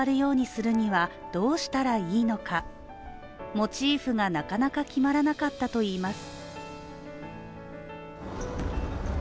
モチーフがなかなか決まらなかったといいます。